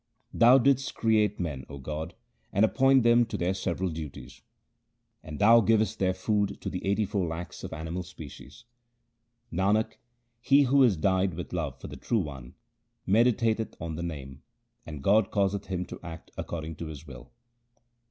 Thou didst create men, O God, and appoint them to their several duties ; HYMNS OF GURU AMAR DAS 173 And Thou givest their food to the eighty four lakhs of animal species. Nanak, he who is dyed with love for the True One medi tateth on the Name, and God causeth him to act according to His will.